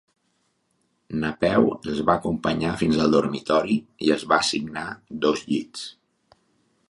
Napeu els va acompanyar fins al dormitori i els va assignar dos llits.